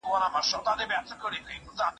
موږ به ډېر اتڼ وړاندي کړو.